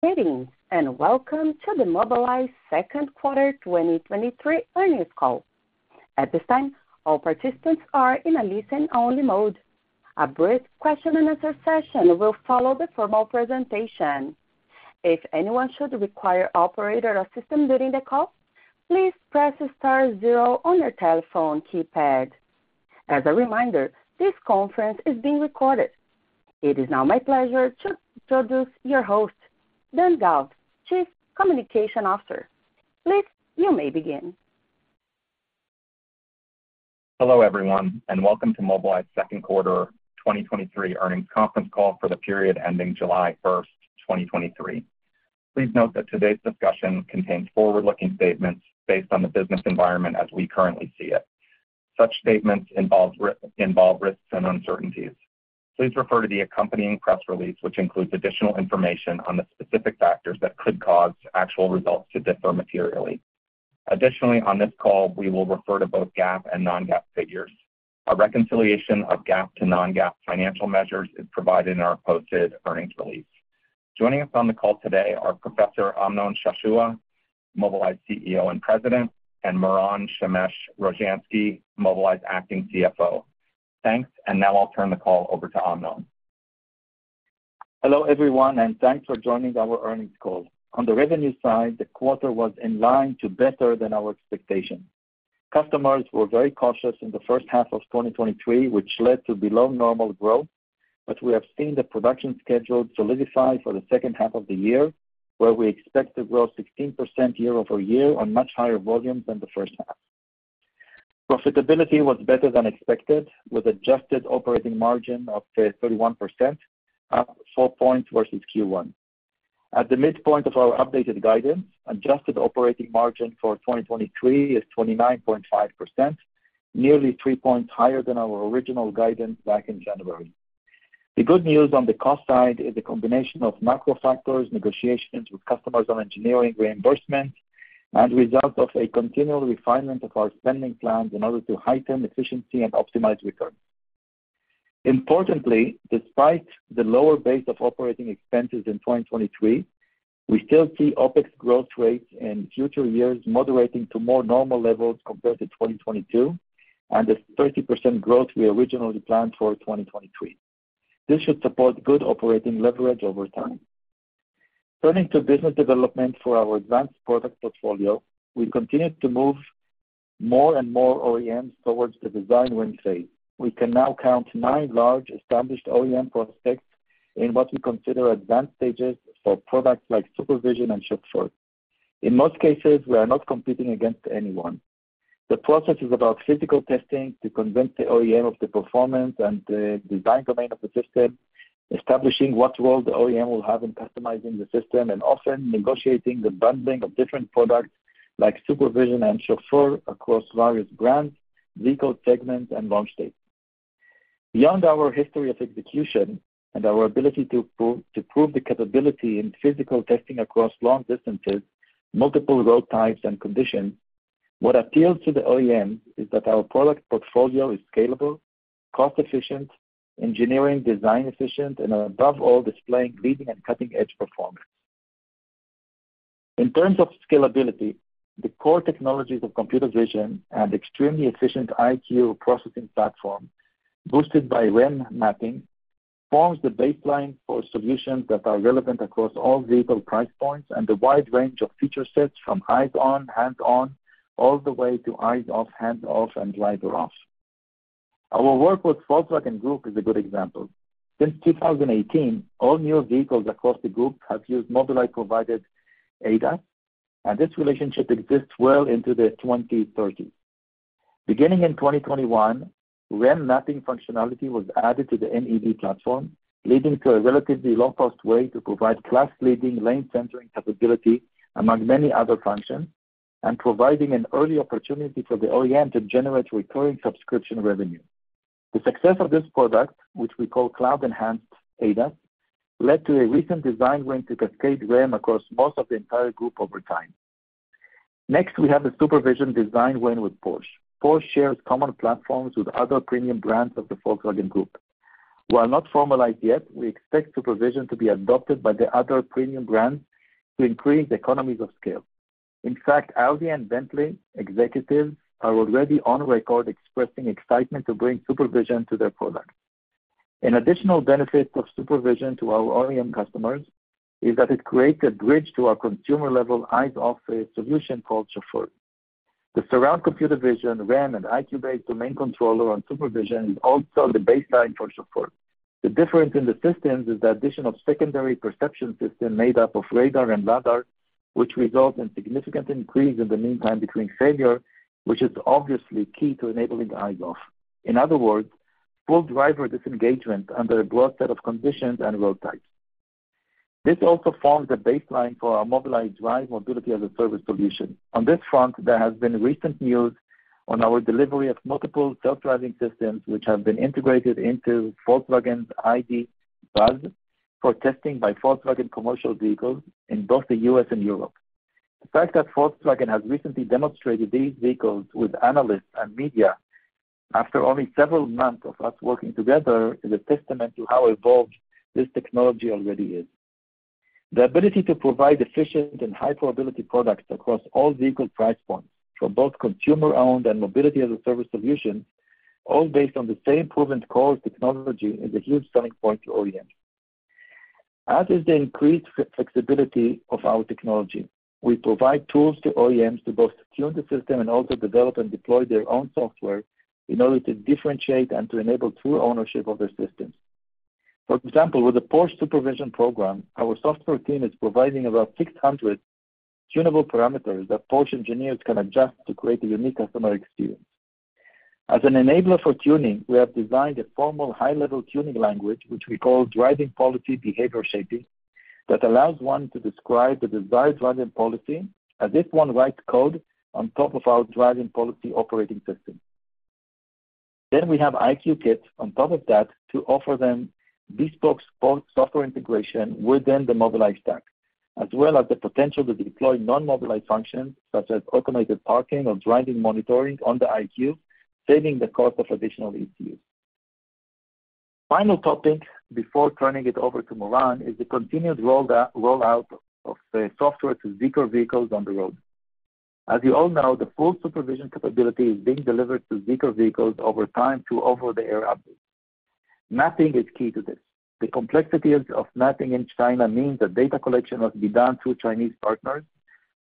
Good evening, welcome to the Mobileye second quarter 2023 earnings call. At this time, all participants are in a listen-only mode. A brief question and answer session will follow the formal presentation. If anyone should require operator assistance during the call, please press star 0 on your telephone keypad. As a reminder, this conference is being recorded. It is now my pleasure to introduce your host, Dan Gal, Chief Communications Officer. Please, you may begin. Hello, everyone, welcome to Mobileye's second quarter 2023 earnings conference call for the period ending July 1st, 2023. Please note that today's discussion contains forward-looking statements based on the business environment as we currently see it. Such statements involve risks and uncertainties. Please refer to the accompanying press release, which includes additional information on the specific factors that could cause actual results to differ materially. On this call, we will refer to both GAAP and non-GAAP figures. A reconciliation of GAAP to non-GAAP financial measures is provided in our posted earnings release. Joining us on the call today are Professor Amnon Shashua, Mobileye's CEO and President, and Moran Shemesh Rojansky, Mobileye's acting CFO. Thanks. Now I'll turn the call over to Amnon. Hello, everyone, thanks for joining our earnings call. On the revenue side, the quarter was in line to better than our expectations. Customers were very cautious in the first half of 2023, which led to below normal growth, but we have seen the production schedule solidify for the second half of the year, where we expect to grow 16% year-over-year on much higher volumes than the first half. Profitability was better than expected, with adjusted operating margin of 31%, up four points versus Q1. At the midpoint of our updated guidance, adjusted operating margin for 2023 is 29.5%, nearly three points higher than our original guidance back in January. The good news on the cost side is a combination of macro factors, negotiations with customers on engineering reimbursement, and result of a continual refinement of our spending plans in order to heighten efficiency and optimize returns. Importantly, despite the lower base of operating expenses in 2023, we still see OpEx growth rates in future years moderating to more normal levels compared to 2022 and the 30% growth we originally planned for 2023. This should support good operating leverage over time. Turning to business development for our advanced product portfolio, we continue to move more and more OEMs towards the design win phase. We can now count nine large established OEM prospects in what we consider advanced stages for products like SuperVision and Chauffeur. In most cases, we are not competing against anyone. The process is about physical testing to convince the OEM of the performance and the design domain of the system, establishing what role the OEM will have in customizing the system, and often negotiating the bundling of different products like SuperVision and Chauffeur across various brands, vehicle segments, and launch dates. Beyond our history of execution and our ability to prove the capability in physical testing across long distances, multiple road types and conditions, what appeals to the OEM is that our product portfolio is scalable, cost efficient, engineering design efficient, and above all, displaying leading and cutting-edge performance. In terms of scalability, the core technologies of computer vision and extremely efficient EyeQ processing platform, boosted by REM mapping, forms the baseline for solutions that are relevant across all vehicle price points and a wide range of feature sets from eyes on, hands on, all the way to eyes off, hands off, and driver off. Our work with Volkswagen Group is a good example. Since 2018, all new vehicles across the group have used Mobileye-provided ADAS, and this relationship exists well into the 2030. Beginning in 2021, REM mapping functionality was added to the NED platform, leading to a relatively low-cost way to provide class-leading lane centering capability, among many other functions, and providing an early opportunity for the OEM to generate recurring subscription revenue. The success of this product, which we call Cloud-Enhanced ADAS, led to a recent design win to cascade REM across most of the entire group over time. Next, we have the SuperVision design win with Porsche. Porsche shares common platforms with other premium brands of the Volkswagen Group. While not formalized yet, we expect SuperVision to be adopted by the other premium brands to increase economies of scale. In fact, Audi and Bentley executives are already on record expressing excitement to bring SuperVision to their products. An additional benefit of SuperVision to our OEM customers is that it creates a bridge to our consumer-level eyes-off solution called Chauffeur. The surround computer vision, REM, and EyeQ-based domain controller on SuperVision is also the baseline for Chauffeur. The difference in the systems is the addition of secondary perception system made up of radar and lidar, which results in significant increase in the Mean Time Between Failures, which is obviously key to enabling the eyes-off. In other words, full driver disengagement under a broad set of conditions and road types. This also forms a baseline for our Mobileye Drive Mobility-as-a-Service solution. On this front, there has been recent news on our delivery of multiple self-driving systems, which have been integrated into Volkswagen's ID. Buzz for testing by Volkswagen Commercial Vehicles in both the US and Europe. The fact that Volkswagen has recently demonstrated these vehicles with analysts and media after only several months of us working together, is a testament to how evolved this technology already is. The ability to provide efficient and high-probability products across all vehicle price points, for both consumer-owned and Mobility-as-a-Service solution, all based on the same proven core technology, is a huge selling point to OEMs. As is the increased flexibility of our technology, we provide tools to OEMs to both tune the system and also develop and deploy their own software in order to differentiate and to enable true ownership of their systems. For example, with the Porsche SuperVision program, our software team is providing about 600 tunable parameters that Porsche engineers can adjust to create a unique customer experience. As an enabler for tuning, we have designed a formal high-level tuning language, which we call Driving Policy behavior shaping, that allows one to describe the desired Driving Policy as if one writes code on top of our Driving Policy operating system. We have EyeQ Kits on top of that to offer them bespoke support software integration within the Mobileye stack, as well as the potential to deploy non-Mobileye functions such as automated parking or driving monitoring on the EyeQ, saving the cost of additional ECUs. Final topic before turning it over to Moran, is the continued rollout of the software to Zeekr vehicles on the road. As you all know, the full SuperVision capability is being delivered to Zeekr vehicles over time through over-the-air updates. Mapping is key to this. The complexities of mapping in China means that data collection must be done through Chinese partners,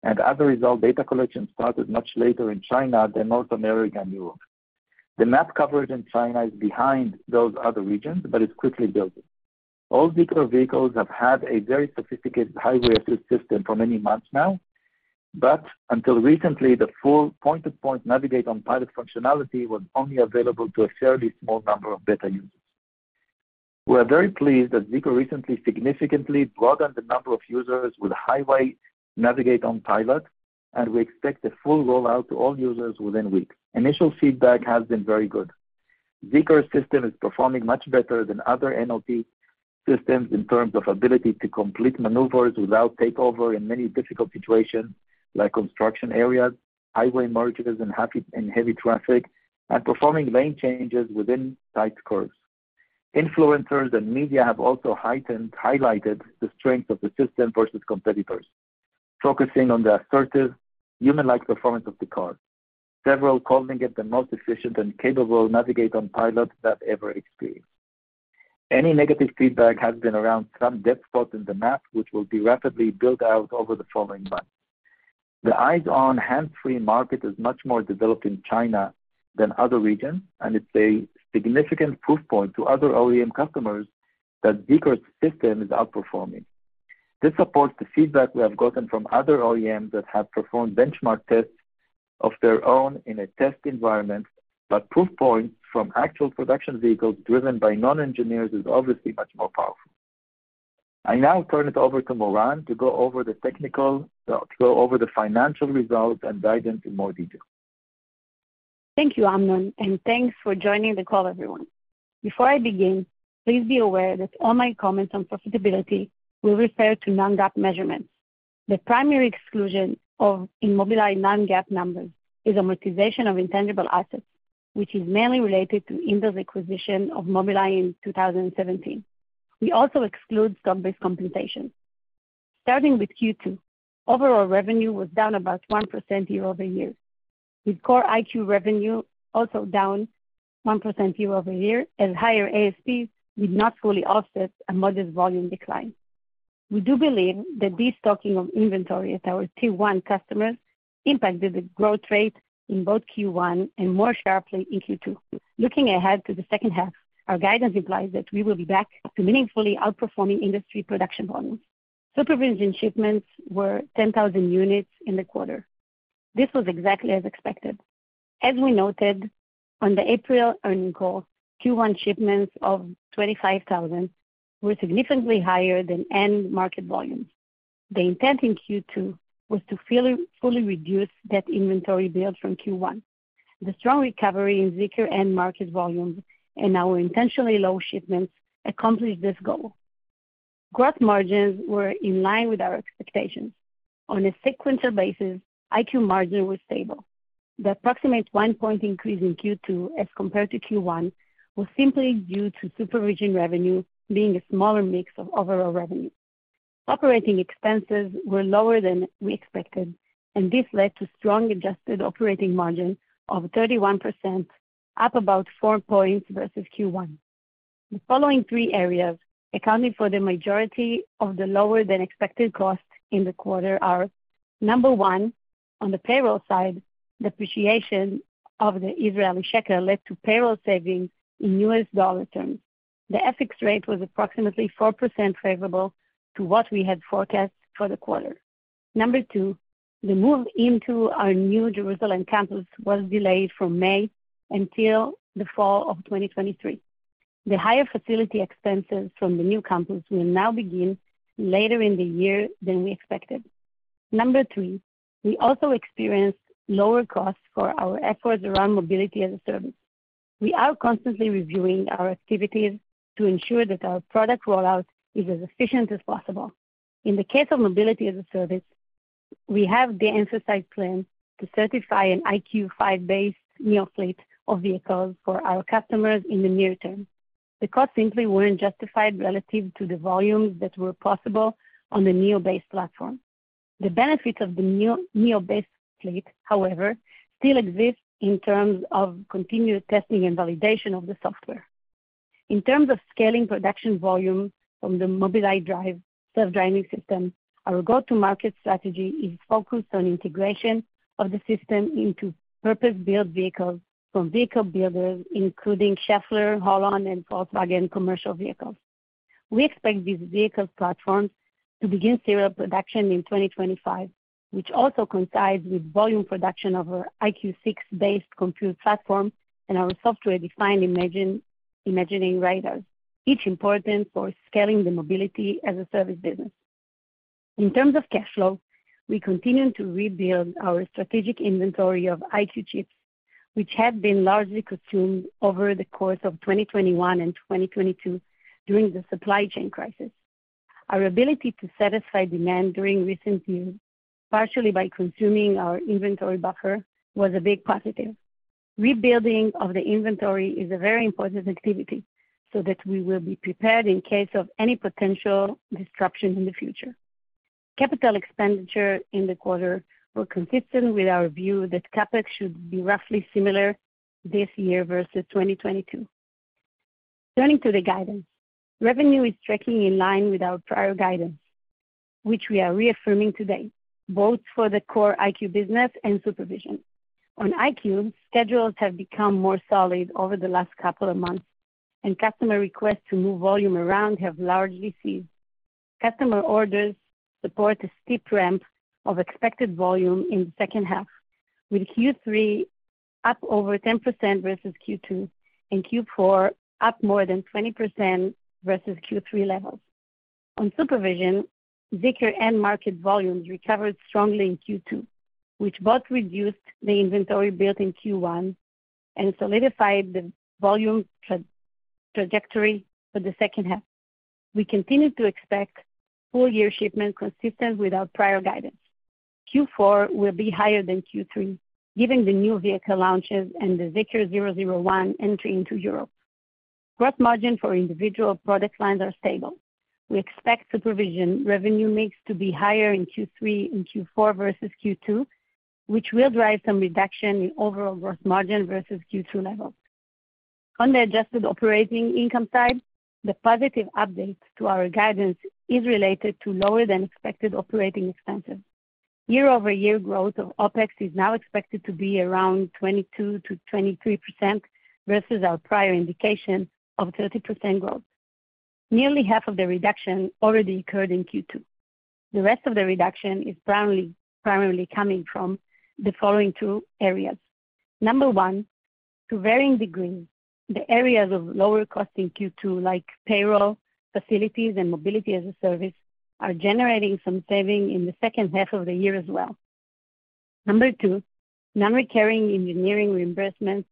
and as a result, data collection started much later in China than North America and Europe. The map coverage in China is behind those other regions, but it's quickly building. All Zeekr vehicles have had a very sophisticated highway assist system for many months now. Until recently, the full point-to-point Navigate on Pilot functionality was only available to a fairly small number of beta users. We are very pleased that Zeekr recently significantly broadened the number of users with highway Navigate on Pilot. We expect a full rollout to all users within weeks. Initial feedback has been very good. Zeekr's system is performing much better than other NOP systems in terms of ability to complete maneuvers without takeover in many difficult situations like construction areas, highway merges, heavy traffic, performing lane changes within tight curves. Influencers and media have also highlighted the strength of the system versus competitors, focusing on the assertive, human-like performance of the car. Several calling it the most efficient and capable Navigate on Pilot they have ever experienced. Any negative feedback has been around some dead spots in the map, which will be rapidly built out over the following months. The eyes-on, hands-free market is much more developed in China than other regions, it's a significant proof point to other OEM customers that Zeekr's system is outperforming. This supports the feedback we have gotten from other OEMs that have performed benchmark tests of their own in a test environment, but proof points from actual production vehicles driven by non-engineers is obviously much more powerful. I now turn it over to Moran to go over the technical, go over the financial results and dive into more detail. Thank you, Amnon. Thanks for joining the call, everyone. Before I begin, please be aware that all my comments on profitability will refer to non-GAAP measurements. The primary exclusion in Mobileye non-GAAP numbers is amortization of intangible assets, which is mainly related to Intel's acquisition of Mobileye in 2017. We also exclude stock-based compensation. Starting with Q2, overall revenue was down about 1% year-over-year, with core EyeQ revenue also down 1% year-over-year, as higher ASPs did not fully offset a modest volume decline. We do believe that this stocking of inventory at our tier one customers impacted the growth rate in both Q1 and more sharply in Q2. Looking ahead to the second half, our guidance implies that we will be back to meaningfully outperforming industry production volumes. SuperVision shipments were 10,000 units in the quarter. This was exactly as expected. As we noted on the April earning call, Q1 shipments of 25,000 were significantly higher than end market volumes. The intent in Q2 was to fully reduce that inventory build from Q1. The strong recovery in Zeekr end market volumes and our intentionally low shipments accomplished this goal. Gross margins were in line with our expectations. On a sequential basis, EyeQ margin was stable. The approximate one point increase in Q2 as compared to Q1 was simply due to SuperVision revenue being a smaller mix of overall revenue. Operating expenses were lower than we expected, and this led to strong adjusted operating margins of 31%, up about four points versus Q1. The following three areas accounted for the majority of the lower-than-expected costs in the quarter are: number one, on the payroll side, depreciation of the Israeli shekel led to payroll savings in U.S. dollar terms. The FX rate was approximately 4% favorable to what we had forecast for the quarter. Number two, the move into our new Jerusalem campus was delayed from May until the fall of 2023. The higher facility expenses from the new campus will now begin later in the year than we expected. Number three, we also experienced lower costs for our efforts around Mobility-as-a-Service. We are constantly reviewing our activities to ensure that our product rollout is as efficient as possible. In the case of Mobility-as-a-Service, we have de-emphasized plan to certify an EyeQ 5-based new fleet of vehicles for our customers in the near term. The costs simply weren't justified relative to the volumes that were possible on the new base platform. The benefit of the new base fleet, however, still exists in terms of continued testing and validation of the software. In terms of scaling production volumes from the Mobileye Drive self-driving system, our go-to-market strategy is focused on integration of the system into purpose-built vehicles from vehicle builders, including Schaeffler, Holon, and Volkswagen Commercial Vehicles. We expect these vehicle platforms to begin serial production in 2025, which also coincides with volume production of our EyeQ 6-based compute platform and our software-defined imaging radars, each important for scaling the Mobility as a Service business. In terms of cash flow, we continue to rebuild our strategic inventory of EyeQ chips, which have been largely consumed over the course of 2021 and 2022 during the supply chain crisis. Our ability to satisfy demand during recent years, partially by consuming our inventory buffer, was a big positive. Rebuilding of the inventory is a very important activity so that we will be prepared in case of any potential disruption in the future. Capital expenditure in the quarter were consistent with our view that CapEx should be roughly similar this year versus 2022. Turning to the guidance, revenue is tracking in line with our prior guidance, which we are reaffirming today, both for the core EyeQ business and SuperVision. On EyeQ, schedules have become more solid over the last couple of months, and customer requests to move volume around have largely ceased. Customer orders support a steep ramp of expected volume in the second half, with Q3 up over 10% versus Q2 and Q4 up more than 20% versus Q3 levels. On SuperVision, Zeekr end-market volumes recovered strongly in Q2, which both reduced the inventory built in Q1 and solidified the volume trajectory for the second half. We continue to expect full year shipments consistent with our prior guidance. Q4 will be higher than Q3, given the new vehicle launches and the Zeekr 001 entry into Europe. Gross margin for individual product lines are stable. We expect SuperVision revenue mix to be higher in Q3 and Q4 versus Q2, which will drive some reduction in overall gross margin versus Q2 levels. On the adjusted operating income side, the positive update to our guidance is related to lower than expected operating expenses. Year-over-year growth of OpEx is now expected to be around 22%-23% versus our prior indication of 30% growth. Nearly half of the reduction already occurred in Q2. The rest of the reduction is primarily coming from the following two areas. Number one, to varying degrees, the areas of lower cost in Q2, like payroll, facilities, and Mobility-as-a-Service, are generating some saving in the second half of the year as well. Number two, non-recurring engineering reimbursements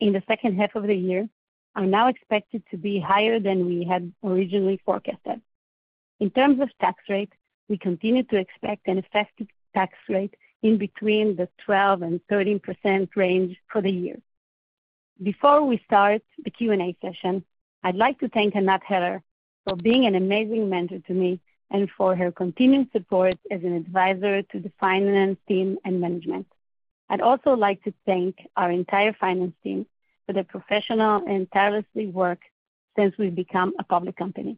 in the second half of the year are now expected to be higher than we had originally forecasted. In terms of tax rate, we continue to expect an effective tax rate in between the 12% and 13% range for the year. Before we start the Q&A session, I'd like to thank Anat Heller for being an amazing mentor to me and for her continued support as an advisor to the finance team and management. I'd also like to thank our entire finance team for their professional and tireless work since we've become a public company.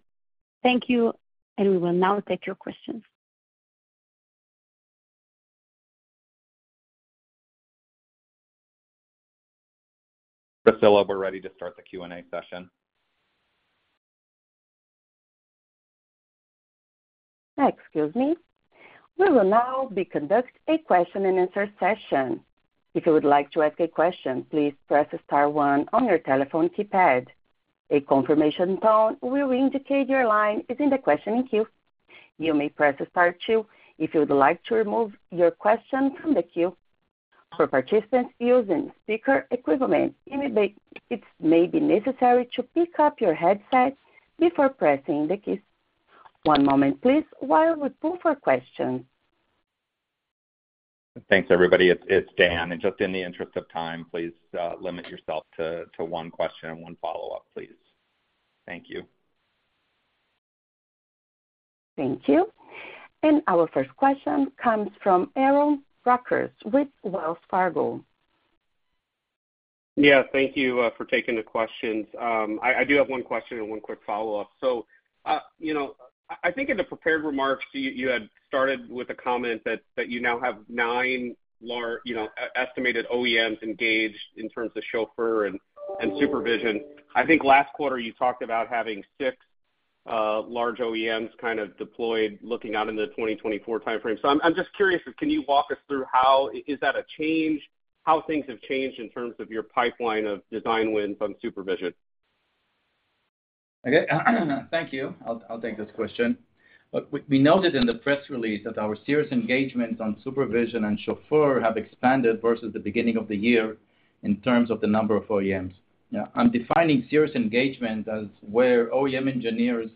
Thank you. We will now take your questions. Priscilla, we're ready to start the Q&A session. Excuse me. We will now be conduct a question and answer session. If you would like to ask a question, please press star one on your telephone keypad. A confirmation tone will indicate your line is in the questioning queue. You may press star two if you would like to remove your question from the queue. For participants using speaker equipment, it may be necessary to pick up your headset before pressing the keys. One moment, please, while we pull for questions. Thanks, everybody. It's Dan. Just in the interest of time, please, limit yourself to one question and one follow-up, please. Thank you. Thank you. Our first question comes from Aaron Rakers with Wells Fargo. Yeah, thank you for taking the questions. I do have one question and one quick follow-up. You know, I think in the prepared remarks, you had started with a comment that you now have nine large, you know, e-estimated OEMs engaged in terms of Mobileye Chauffeur and SuperVision. I think last quarter you talked about having six large OEMs kind of deployed, looking out in the 2024 timeframe. I'm just curious, can you walk us through? Is that a change? How things have changed in terms of your pipeline of design wins on SuperVision?... Okay, thank you. I'll take this question. We, we noted in the press release that our serious engagements on SuperVision and Chauffeur have expanded versus the beginning of the year in terms of the number of OEMs. I'm defining serious engagement as where OEM engineers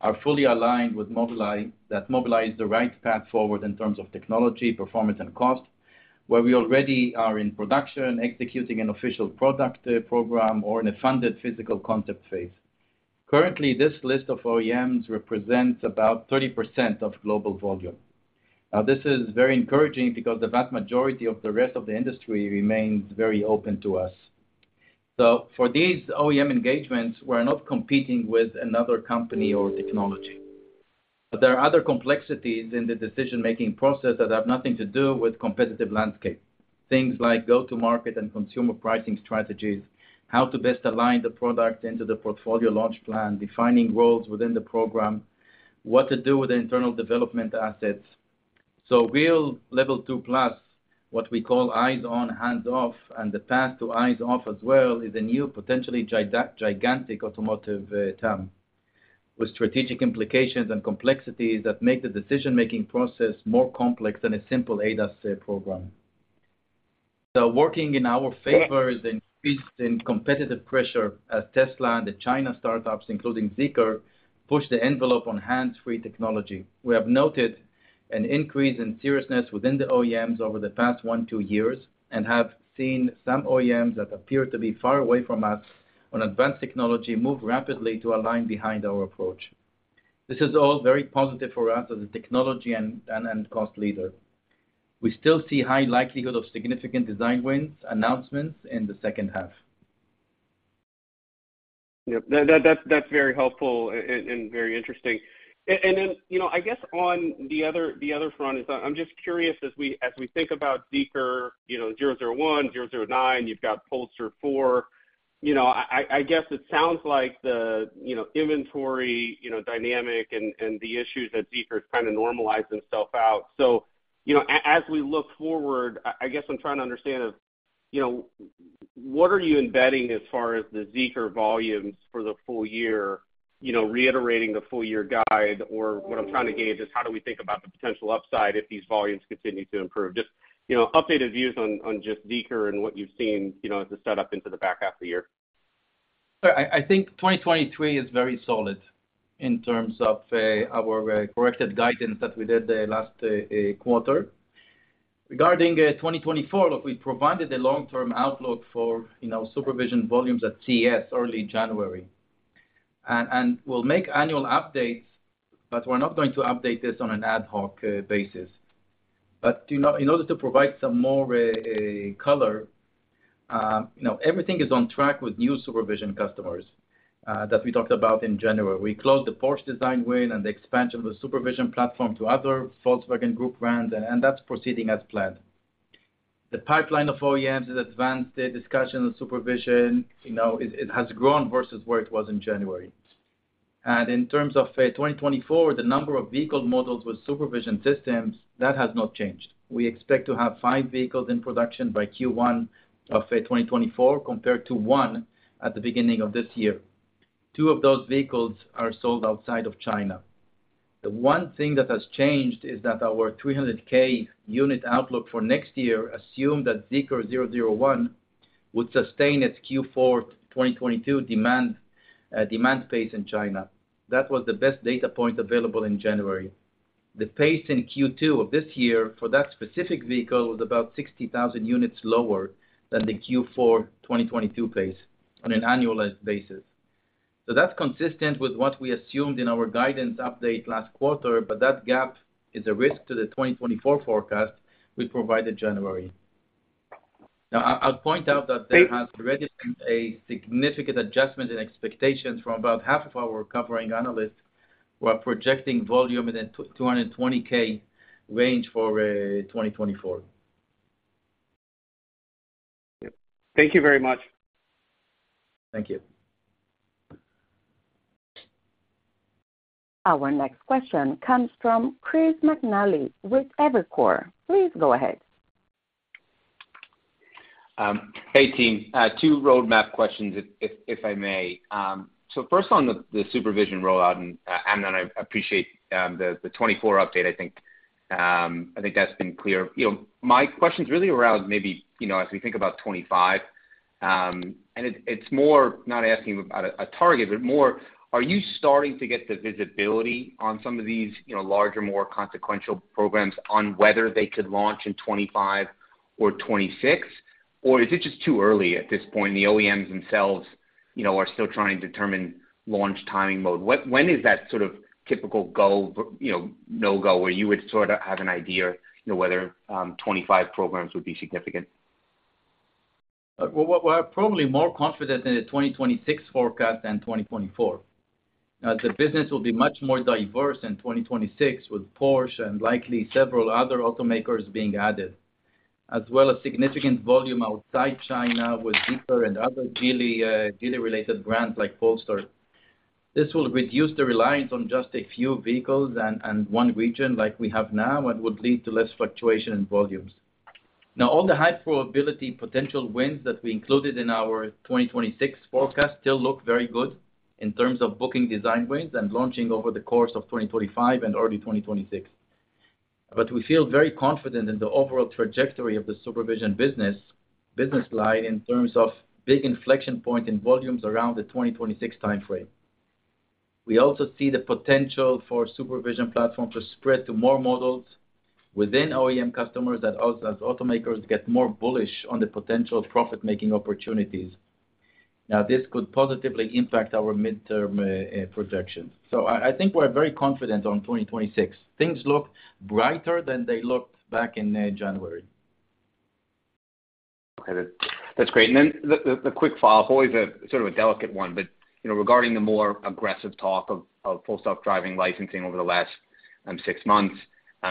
are fully aligned with Mobileye, that Mobileye is the right path forward in terms of technology, performance, and cost. Where we already are in production, executing an official product program, or in a funded physical concept phase. Currently, this list of OEMs represents about 30% of global volume. This is very encouraging because the vast majority of the rest of the industry remains very open to us. For these OEM engagements, we're not competing with another company or technology. There are other complexities in the decision-making process that have nothing to do with competitive landscape. Things like go-to-market and consumer pricing strategies, how to best align the product into the portfolio launch plan, defining roles within the program, what to do with the internal development assets. Real level 2+, what we call eyes-on, hands-off, and the path to eyes-off as well, is a new, potentially gigantic automotive TAM, with strategic implications and complexities that make the decision-making process more complex than a simple ADAS program. Working in our favor is an increase in competitive pressure as Tesla and the China startups, including Zeekr, push the envelope on hands-free technology. We have noted an increase in seriousness within the OEMs over the past one, two years, and have seen some OEMs that appear to be far away from us on advanced technology move rapidly to align behind our approach. This is all very positive for us as a technology and cost leader. We still see high likelihood of significant design wins, announcements in the second half. Yep. That's very helpful and very interesting. Then, you know, I guess on the other front is I'm just curious, as we think about Zeekr, you know, 001, 009, you've got Polestar 4. You know, I guess it sounds like the, you know, inventory, you know, dynamic and the issues that Zeekr's kind of normalized themself out. As we look forward, I guess I'm trying to understand, you know, what are you embedding as far as the Zeekr volumes for the full year? You know, reiterating the full year guide, or what I'm trying to gauge is how do we think about the potential upside if these volumes continue to improve? Just, you know, updated views on just Zeekr and what you've seen, you know, as a setup into the back half of the year. I think 2023 is very solid in terms of our corrected guidance that we did the last quarter. Regarding 2024, look, we provided a long-term outlook for, you know, SuperVision volumes at CES early January. We'll make annual updates, but we're not going to update this on an ad hoc basis. You know, in order to provide some more color, you know, everything is on track with new SuperVision customers that we talked about in January. We closed the Porsche design win and the expansion of the SuperVision platform to other Volkswagen Group brands, that's proceeding as planned. The pipeline of OEMs has advanced the discussion of SuperVision. You know, it has grown versus where it was in January. In terms of 2024, the number of vehicle models with SuperVision systems, that has not changed. We expect to have five vehicles in production by Q1 of 2024, compared to one at the beginning of this year. Two of those vehicles are sold outside of China. The one thing that has changed is that our 300K unit outlook for next year assumed that Zeekr 001 would sustain its Q4 2022 demand pace in China. That was the best data point available in January. The pace in Q2 of this year for that specific vehicle was about 60,000 units lower than the Q4 2022 pace on an annualized basis. That's consistent with what we assumed in our guidance update last quarter, but that gap is a risk to the 2024 forecast we provided January. Now, I'll point out that there has already been a significant adjustment in expectations from about half of our covering analysts, who are projecting volume in the 220K range for 2024. Yep. Thank you very much. Thank you. Our next question comes from Chris McNally with Evercore. Please go ahead. Hey, team. Two roadmap questions. First on SuperVision rollout, I appreciate the 2024 update. I think that's been clear. You know, my question is really around maybe, you know, as we think about 2025, and it's more not asking about a target, but more, are you starting to get the visibility on some of these, you know, larger, more consequential programs on whether they could launch in 2025 or 2026? Or is it just too early at this point? The OEMs themselves, you know, are still trying to determine launch timing mode. When is that sort of typical go, you know, no-go, where you would sort of have an idea, you know, whether 2025 programs would be significant? Well, we're probably more confident in the 2026 forecast than 2024. The business will be much more diverse in 2026, with Porsche and likely several other automakers being added, as well as significant volume outside China, with Zeekr and other Geely, Geely-related brands like Polestar. This will reduce the reliance on just a few vehicles and one region like we have now, and would lead to less fluctuation in volumes. All the high probability potential wins that we included in our 2026 forecast still look very good in terms of booking design wins and launching over the course of 2025 and early 2026. We feel very confident in the overall trajectory of the SuperVision business line, in terms of big inflection point in volumes around the 2026 time frame. We also see the potential for SuperVision platform to spread to more models within OEM customers that also as automakers get more bullish on the potential profit-making opportunities. This could positively impact our midterm projections. I think we're very confident on 2026. Things look brighter than they looked back in January. Okay, that's great. The quick follow-up, always a sort of a delicate one, but, you know, regarding the more aggressive talk of Full Self-Driving licensing over the last six months,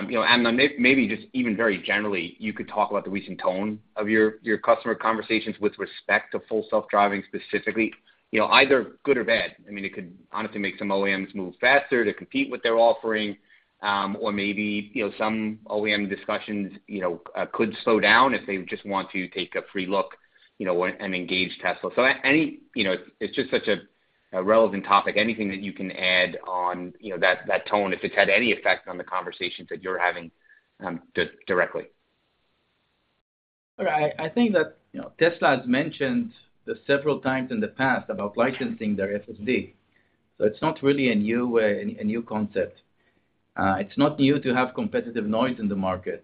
you know, maybe just even very generally, you could talk about the recent tone of your customer conversations with respect to Full Self-Driving specifically, you know, either good or bad. I mean, it could honestly make some OEMs move faster to compete with their offering, or maybe, you know, some OEM discussions, you know, could slow down if they just want to take a free look, you know, when and engage Tesla. Any, you know, it's just such a relevant topic. Anything that you can add on, you know, that, that tone, if it's had any effect on the conversations that you're having, directly? All right. I think that, you know, Tesla has mentioned this several times in the past about licensing their FSD, so it's not really a new way, a new concept. It's not new to have competitive noise in the market.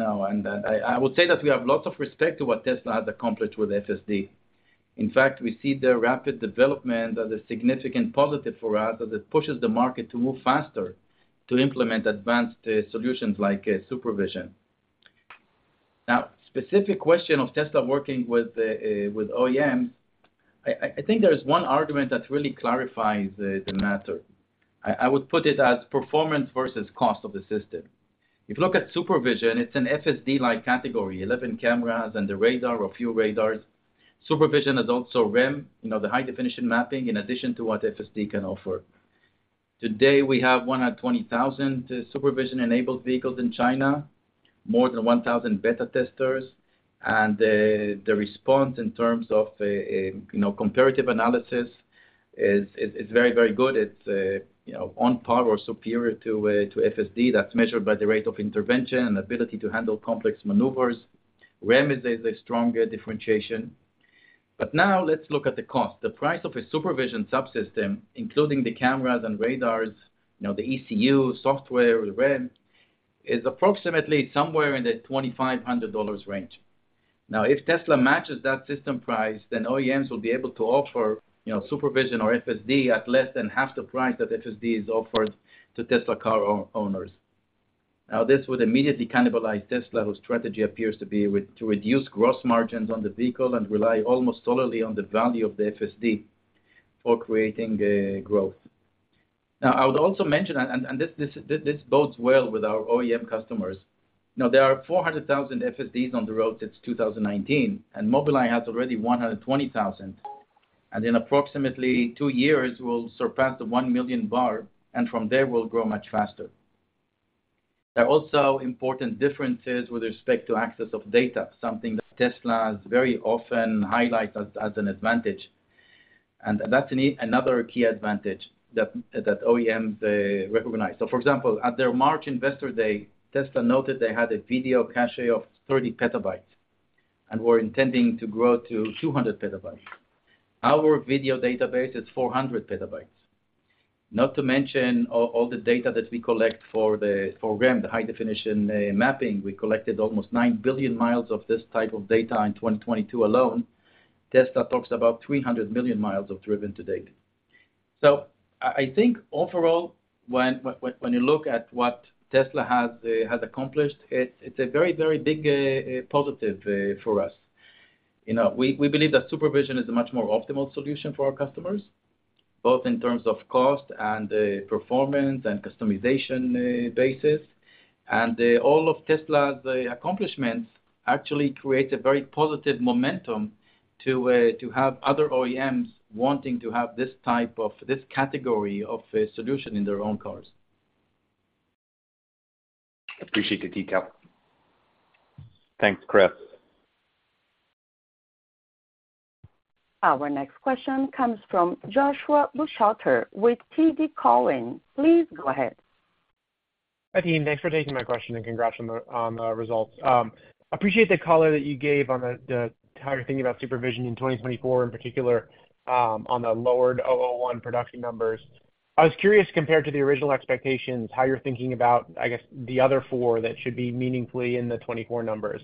I, I would say that we have lots of respect to what Tesla has accomplished with FSD. In fact, we see their rapid development as a significant positive for us, as it pushes the market to move faster, to implement advanced solutions like SuperVision. Specific question of Tesla working with OEM. I think there is one argument that really clarifies the matter. I, I would put it as performance versus cost of the system. If you look at SuperVision, it's an FSD-like category, 11 cameras and the radar or few radars. Supervision is also REM, you know, the high-definition mapping, in addition to what FSD can offer. Today, we have 120,000 Supervision-enabled vehicles in China, more than 1,000 beta testers, and the response in terms of a, you know, comparative analysis is very, very good. It's, you know, on par or superior to FSD that's measured by the rate of intervention and ability to handle complex maneuvers. REM is a stronger differentiation. Now let's look at the cost. The price of a Supervision subsystem, including the cameras and radars, you know, the ECU, software, REM, is approximately somewhere in the $2,500 range. Now, if Tesla matches that system price, OEMs will be able to offer, you know, Supervision or FSD at less than half the price that FSD is offered to Tesla car owners. This would immediately cannibalize Tesla, whose strategy appears to be to reduce gross margins on the vehicle and rely almost solely on the value of the FSD for creating growth. I would also mention, and this bodes well with our OEM customers. There are 400,000 FSDs on the road since 2019, and Mobileye has already 120,000, and in approximately two years, will surpass the 1 million bar, and from there will grow much faster. There are also important differences with respect to access of data, something that Tesla has very often highlighted as an advantage, and that's another key advantage that OEMs recognize. For example, at their March investor day, Tesla noted they had a video cache of 30 petabytes and were intending to grow to 200 petabytes. Our video database is 400 petabytes. Not to mention all the data that we collect for the program, the high-definition mapping. We collected almost 9 billion mi of this type of data in 2022 alone. Tesla talks about 300 million mi of driven to date. I think overall, when you look at what Tesla has accomplished, it's a very, very big positive for us. You know, we believe that SuperVision is a much more optimal solution for our customers, both in terms of cost and performance and customization basis. All of Tesla's accomplishments actually creates a very positive momentum to have other OEMs wanting to have this type of, this category of a solution in their own cars. Appreciate the detail. Thanks, Chris. Our next question comes from Joshua Buchalter with TD Cowen. Please go ahead. Hi, team. Thanks for taking my question. Congrats on the results. Appreciate the color that you gave on the how you're thinking about SuperVision in 2024, in particular, on the lowered 001 production numbers. I was curious, compared to the original expectations, how you're thinking about, I guess, the other four that should be meaningfully in the 24 numbers.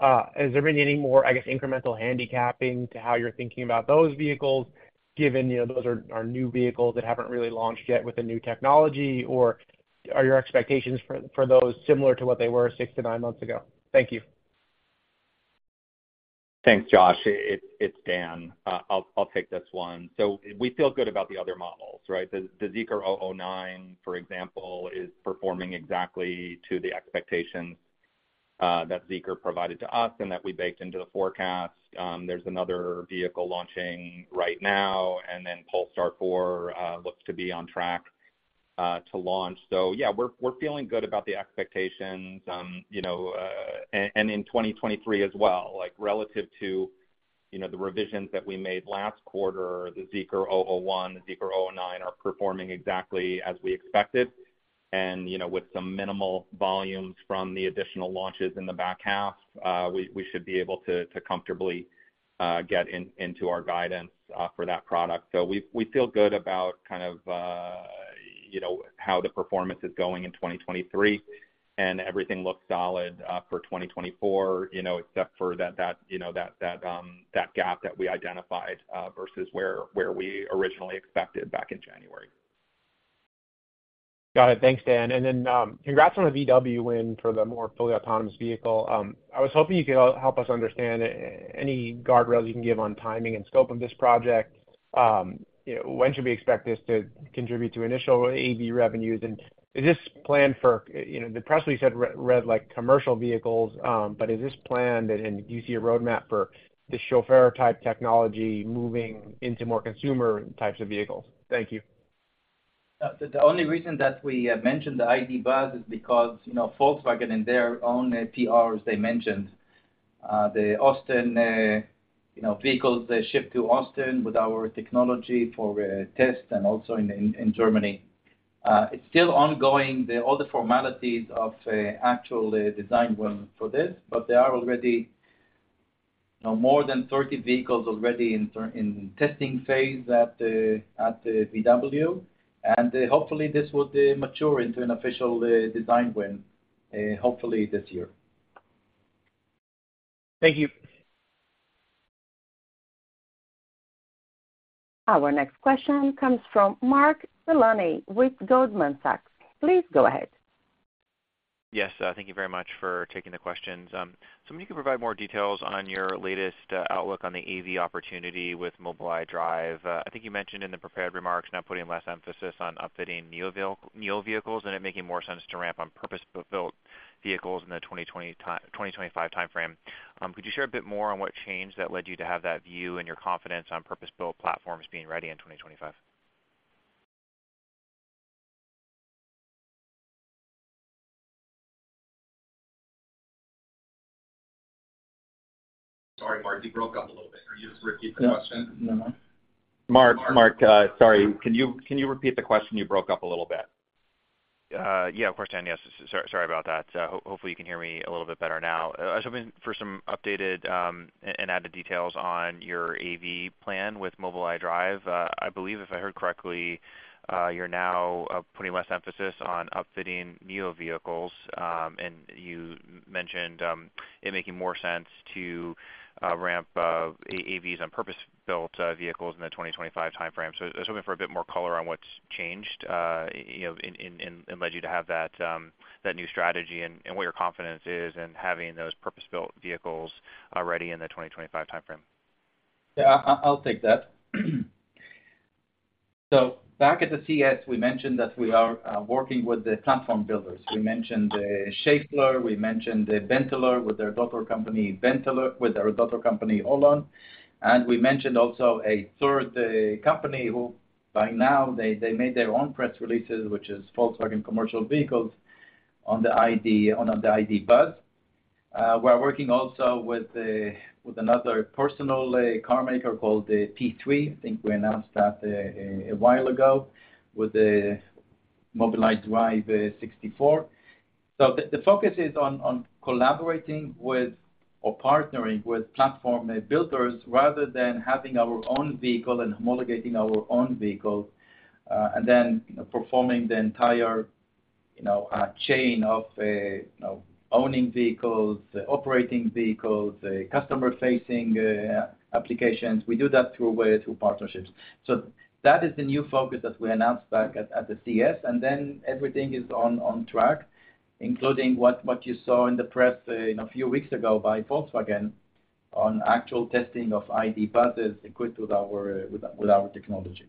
Has there been any more, I guess, incremental handicapping to how you're thinking about those vehicles, given, you know, those are new vehicles that haven't really launched yet with the new technology? Are your expectations for those similar to what they were six to nine months ago? Thank you. Thanks, Joshua. It's Dan. I'll take this one. We feel good about the other models, right? The Zeekr 009, for example, is performing exactly to the expectations that Zeekr provided to us and that we baked into the forecast. There's another vehicle launching right now, Polestar 4 looks to be on track to launch. Yeah, we're feeling good about the expectations, you know, and in 2023 as well, like relative to, you know, the revisions that we made last quarter, the Zeekr 001, the Zeekr 009 are performing exactly as we expected. You know, with some minimal volumes from the additional launches in the back half, we should be able to comfortably get into our guidance for that product. We feel good about kind of, you know, how the performance is going in 2023. Everything looks solid for 2024, you know, except for that gap that we identified, versus where we originally expected back in January. Got it. Thanks, Dan. Congrats on the VW win for the more fully autonomous vehicle. I was hoping you could help us understand any guardrails you can give on timing and scope of this project. When should we expect this to contribute to initial AV revenues? Is this planned for, you know, the press release had read like commercial vehicles, but is this planned and do you see a roadmap for the Chauffeur-type technology moving into more consumer types of vehicles? Thank you. The only reason that we mentioned the ID. Buzz is because, you know, Volkswagen in their own PR, as they mentioned, the Austin, you know, vehicles, they ship to Austin with our technology for test and also in Germany. It's still ongoing. The all the formalities of actual design win for this, but there are already, you know, more than 30 vehicles already in testing phase at the VW. Hopefully, this will mature into an official design win, hopefully this year. Thank you. Our next question comes from Mark Delaney with Goldman Sachs. Please go ahead. Yes, thank you very much for taking the questions. If you could provide more details on your latest outlook on the AV opportunity with Mobileye Drive. I think you mentioned in the prepared remarks, now putting less emphasis on upfitting NIO vehicle, NIO vehicles, and it making more sense to ramp on purpose-built vehicles in the 2020-2025 timeframe. Could you share a bit more on what changed that led you to have that view and your confidence on purpose-built platforms being ready in 2025? Sorry, Mark, you broke up a little bit. Can you just repeat the question? No. Mark, sorry. Can you repeat the question? You broke up a little bit. Yeah, of course, Dan. Yes, sorry about that. Hopefully you can hear me a little bit better now. I was hoping for some updated and added details on your AV plan with Mobileye Drive. I believe, if I heard correctly, you're now putting less emphasis on upfitting NIO vehicles. And you mentioned it making more sense to ramp AVs on purpose-built vehicles in the 2025 timeframe. I was hoping for a bit more color on what's changed, you know, and led you to have that new strategy and what your confidence is in having those purpose-built vehicles ready in the 2025 timeframe. Yeah, I'll take that. Back at the CES, we mentioned that we are working with the platform builders. We mentioned Schaeffler, we mentioned Benteler, with their daughter company, Holon. We mentioned also a third company, who by now, they made their own press releases, which is Volkswagen Commercial Vehicles on the ID, on the ID. Buzz. We're working also with another personal car maker called the T3. I think we announced that a while ago, with the Mobileye Drive 64. The focus is on collaborating with or partnering with platform builders, rather than having our own vehicle and homologating our own vehicle, and then, performing the entire, you know, chain of, you know, owning vehicles, operating vehicles, customer-facing applications. We do that through partnerships. That is the new focus that we announced back at the CES. Everything is on track, including what you saw in the press, a few weeks ago by Volkswagen on actual testing of ID. Buzzes equipped with our technology.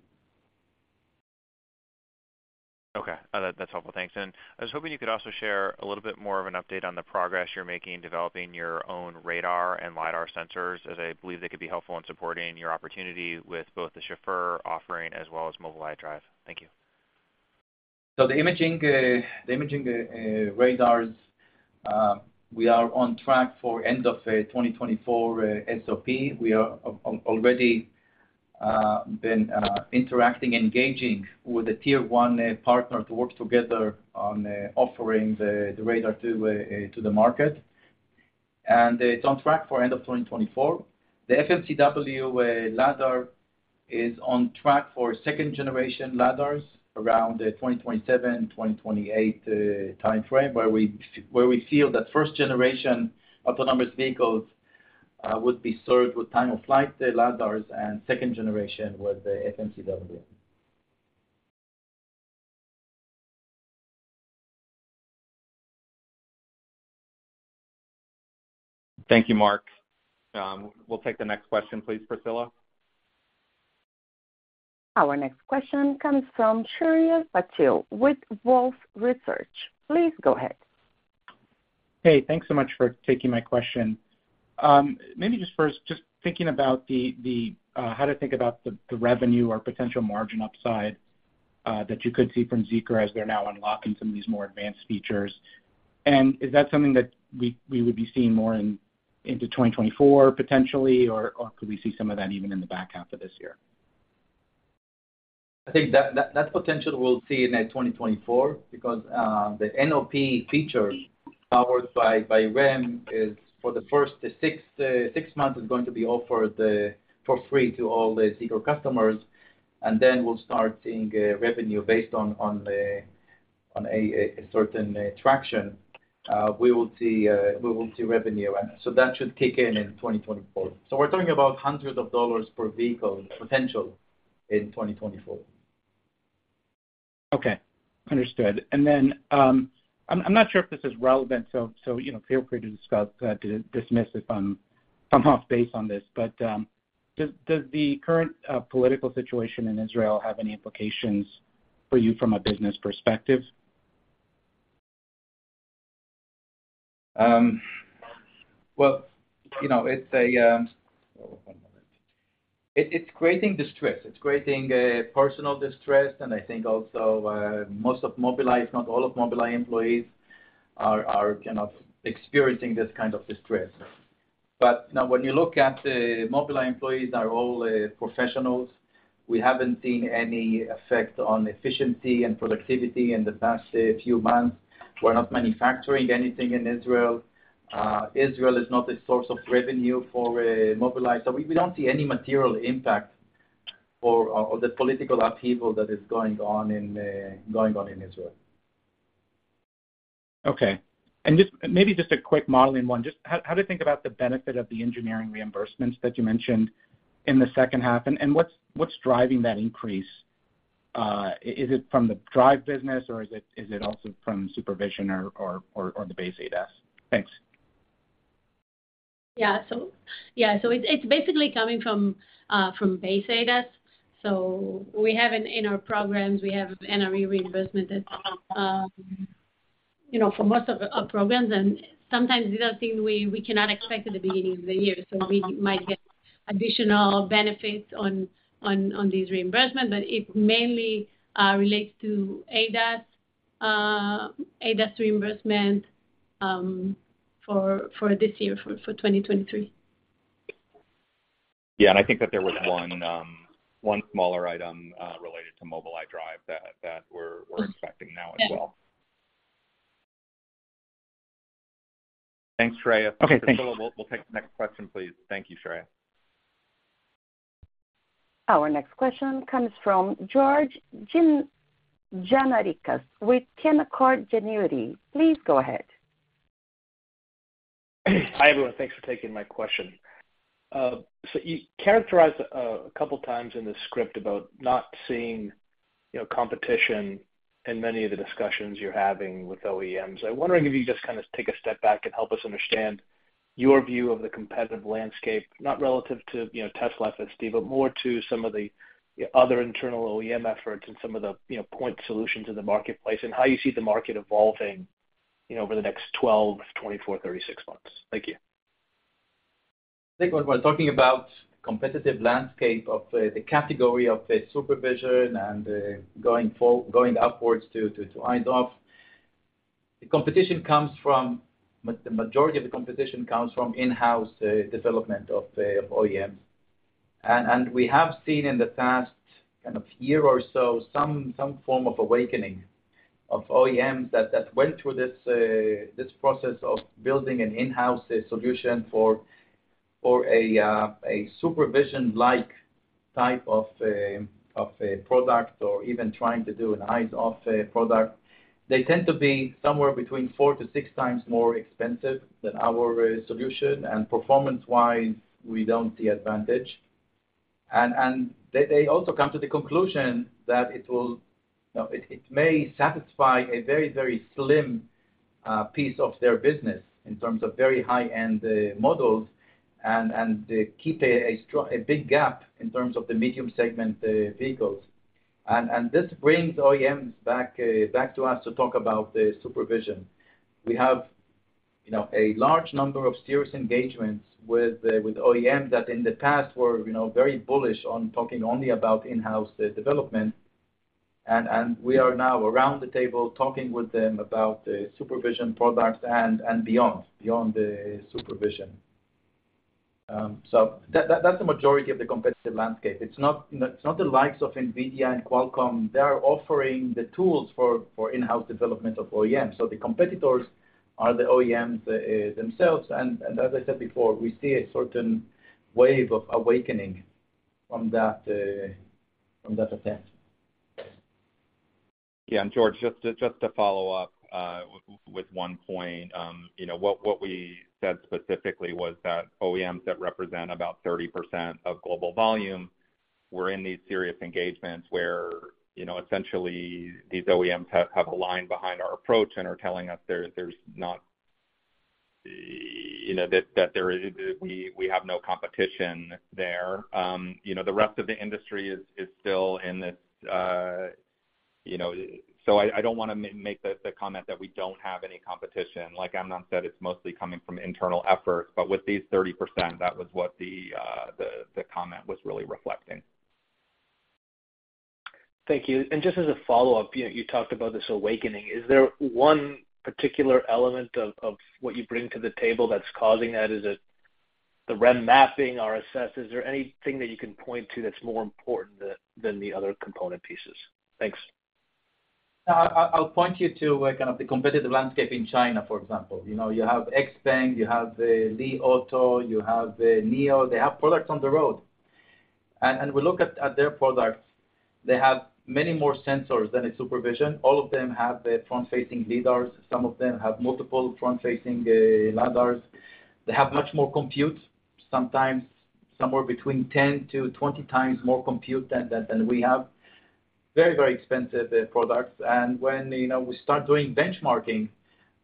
Okay. That's helpful. Thanks. I was hoping you could also share a little bit more of an update on the progress you're making in developing your own radar and lidar sensors, as I believe they could be helpful in supporting your opportunity with both the Chauffeur offering as well as Mobileye Drive. Thank you. The imaging radars, we are on track for end of 2024 SOP. We are already been interacting and engaging with a tier one partner to work together on offering the radar to the market. It's on track for end of 2024. The FMCW lidar is on track for second generation lidars around the 2027-2028 timeframe, where we, where we feel that first generation autonomous vehicles would be served with time-of-flight lidars and second generation with the FMCW. Thank you, Mark. We'll take the next question, please, Priscilla. Our next question comes from Shreyas Patil with Wolfe Research. Please go ahead. Hey, thanks so much for taking my question. Maybe just first, just thinking about the how to think about the revenue or potential margin upside that you could see from Zeekr as they're now unlocking some of these more advanced features. Is that something that we would be seeing more into 2024 potentially, or could we see some of that even in the back half of this year? I think that potential we'll see in 2024, because the NOP feature powered by REM is for the first 6 months, is going to be offered for free to all the Zeekr customers. Then we'll start seeing revenue based on a certain traction. We will see revenue. That should kick in in 2024. We're talking about hundreds of dollars per vehicle potential in 2024. Okay, understood. Then, I'm not sure if this is relevant, so, you know, feel free to discuss, to dismiss if I'm off base on this. Does the current political situation in Israel have any implications for you from a business perspective? Well, you know, it's a ... It's creating distress. It's creating personal distress, and I think also most of Mobileye, if not all of Mobileye employees, are kind of experiencing this kind of distress. When you look at the Mobileye employees are all professionals. We haven't seen any effect on efficiency and productivity in the past few months. We're not manufacturing anything in Israel. Israel is not a source of revenue for Mobileye. We don't see any material impact for the political upheaval that is going on in Israel. Okay. Just, maybe just a quick modeling one. Just how do you think about the benefit of the engineering reimbursements that you mentioned in the second half? What's driving that increase? Is it from the Drive business, or is it also from SuperVision or the base ADAS? Thanks. Yeah. Yeah, it's basically coming from base ADAS. We have in our programs, we have NRE reimbursement that, you know, for most of our programs, and sometimes these are things we cannot expect at the beginning of the year. We might get additional benefits on these reimbursements, but it mainly relates to ADAS, ADAS reimbursement for this year, for 2023. I think that there was one, one smaller item, related to Mobileye Drive that we're expecting now as well. Yes. Thanks, Shreyas. Okay, thank you. We'll take the next question, please. Thank you, Shreyas. Our next question comes from George Gianarikas with Canaccord Genuity. Please go ahead. Hi, everyone. Thanks for taking my question. You characterized a couple times in the script about not seeing, you know, competition in many of the discussions you're having with OEMs. I'm wondering if you just kind of take a step back and help us understand your view of the competitive landscape, not relative to, you know, Tesla FSD, but more to some of the other internal OEM efforts and some of the, you know, point solutions in the marketplace, and how you see the market evolving, you know, over the next 12, 24, 36 months? Thank you. I think when we're talking about competitive landscape of the, the category of the SuperVision and going upwards to Eyes-Off, the competition comes from. The majority of the competition comes from in-house development of the OEMs. We have seen in the past kind of year or so, some form of awakening of OEMs that went through this process of building an in-house solution for a SuperVision-like type of a product or even trying to do an Eyes-Off product. They tend to be somewhere between 4x to 6x more expensive than our solution. Performance-wise, we don't see advantage. They also come to the conclusion that it will, you know, it may satisfy a very, very slim piece of their business in terms of very high-end models and keep a big gap in terms of the medium segment vehicles. This brings OEMs back to us to talk about the SuperVision. We have, you know, a large number of serious engagements with OEMs that in the past were, you know, very bullish on talking only about in-house development. We are now around the table talking with them about the SuperVision products and beyond the SuperVision. That's the majority of the competitive landscape. It's not, you know, it's not the likes of NVIDIA and Qualcomm. They are offering the tools for in-house development of OEMs. The competitors are the OEMs themselves. As I said before, we see a certain wave of awakening from that, from that effect. George, just to follow up with one point. You know, what we said specifically was that OEMs that represent about 30% of global volume were in these serious engagements, where, you know, essentially these OEMs have aligned behind our approach and are telling us there's not, you know, that there is we have no competition there. You know, the rest of the industry is still in this. You know, so I don't wanna make the comment that we don't have any competition. Like Amnon said, it's mostly coming from internal efforts, but with these 30%, that was what the comment was really reflecting. Thank you. Just as a follow-up, you know, you talked about this awakening. Is there one particular element of what you bring to the table that's causing that? Is it the REM mapping, RSS? Is there anything that you can point to that's more important than the other component pieces? Thanks. I, I'll point you to, kind of, the competitive landscape in China, for example. You know, you have XPeng, you have Li Auto, you have NIO. They have products on the road. We look at their products, they have many more sensors than a SuperVision. All of them have front-facing lidars. Some of them have multiple front-facing lidars. They have much more compute, sometimes somewhere between 10x to 20x more compute than we have. Very, very expensive products. When, you know, we start doing benchmarking,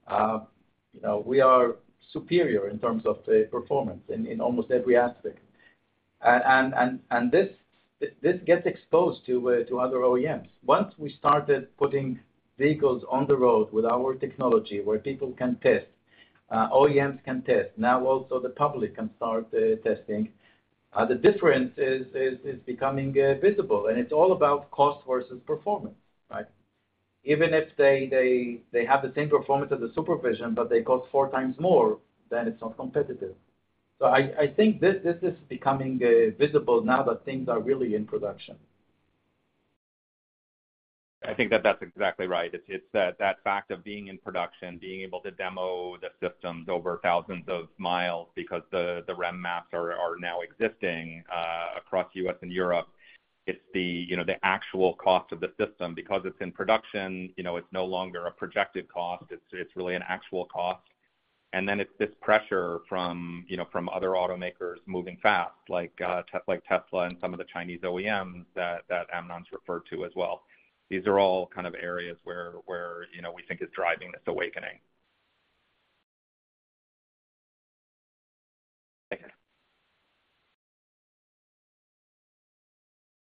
you know, we are superior in terms of the performance in, in almost every aspect. This, this gets exposed to other OEMs. Once we started putting vehicles on the road with our technology, where people can test, OEMs can test, now also the public can start testing. The difference is becoming visible, it's all about cost versus performance, right? Even if they have the same performance as the SuperVision, but they cost four times more, then it's not competitive. I think this is becoming visible now that things are really in production. I think that that's exactly right. It's, it's that, that fact of being in production, being able to demo the systems over thousands of miles because the, the REM maps are, are now existing, across U.S. and Europe. It's the, you know, the actual cost of the system. Because it's in production, you know, it's no longer a projected cost, it's, it's really an actual cost. Then it's this pressure from, you know, from other automakers moving fast, like, Tesla and some of the Chinese OEMs that, that Amnon's referred to as well. These are all kind of areas where, you know, we think is driving this awakening. Thank you.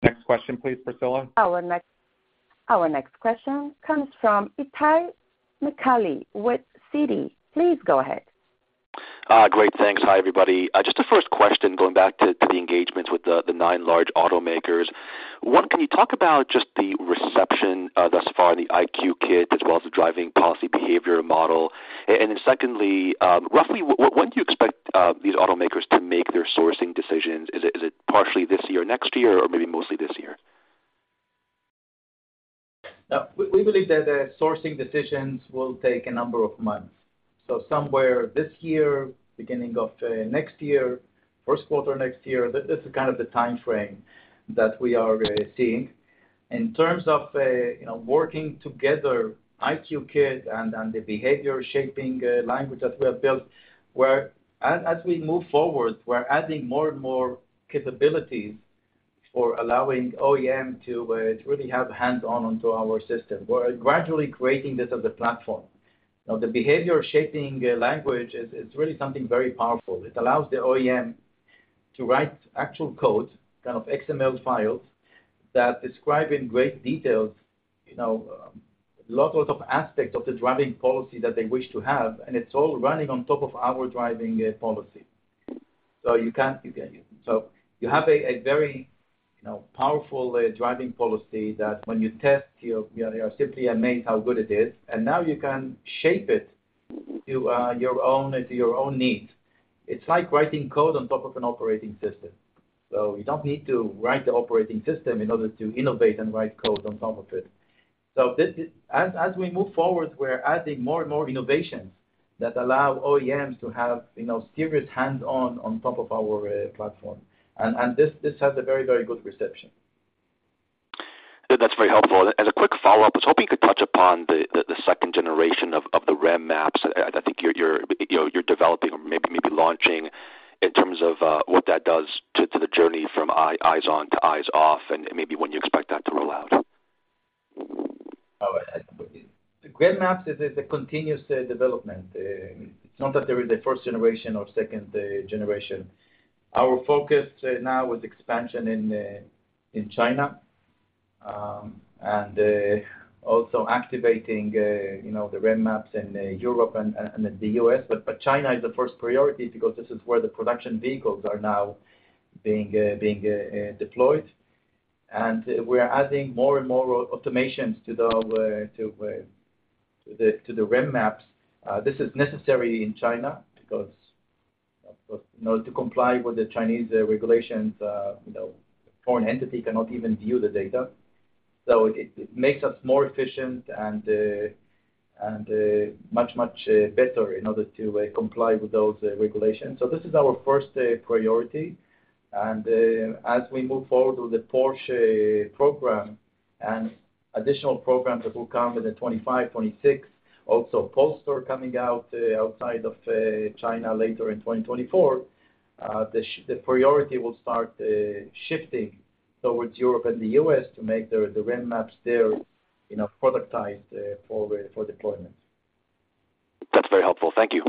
Next question please, Priscilla. Our next question comes from Itay Michaeli with Citi. Please go ahead. Great, thanks. Hi, everybody. Just the first question, going back to the engagements with the nine large automakers. Can you talk about just the reception thus far, the EyeQ Kit, as well as the Driving Policy behavior model? Secondly, roughly, when do you expect these automakers to make their sourcing decisions? Is it partially this year, next year, or maybe mostly this year? We believe that the sourcing decisions will take a number of months. Somewhere this year, beginning of next year, first quarter next year, this is kind of the time frame that we are seeing. In terms of, you know, working together, EyeQ Kit and the behavior shaping language that we have built, where as we move forward, we're adding more and more capabilities for allowing OEM to really have hands-on onto our system. We're gradually creating this as a platform. The behavior shaping language is really something very powerful. It allows the OEM to write actual code, kind of XML files, that describe in great detail, you know, lots of aspects of the Driving Policy that they wish to have, and it's all running on top of our Driving Policy. You can't. You have a very, you know, powerful Driving Policy that when you test, you are simply amazed how good it is, and now you can shape it to your own needs. It's like writing code on top of an operating system. You don't need to write the operating system in order to innovate and write code on top of it. This is as we move forward, we're adding more and more innovations that allow OEMs to have, you know, serious hands-on on top of our platform. This has a very good reception. That's very helpful. As a quick follow-up, I was hoping you could touch upon the second generation of the REM maps. I think you know, you're developing or maybe launching in terms of what that does to the journey from eyes on to Eyes-Off, and maybe when you expect that to roll out? The great maps is a continuous development. It's not that there is a first generation or second generation. Our focus now is expansion in China and also activating, you know, the REM maps in Europe and the U.S. China is the first priority because this is where the production vehicles are now being deployed. We are adding more and more automations to the REM maps. This is necessary in China because, you know, to comply with the Chinese regulations, you know, foreign entity cannot even view the data. It makes us more efficient and much better in order to comply with those regulations. This is our first priority. As we move forward with the Porsche program and additional programs that will come in 2025, 2026, also Polestar coming out, outside of China later in 2024, the priority will start shifting towards Europe and the U.S. to make the REM maps there, you know, productized for deployment. That's very helpful. Thank you.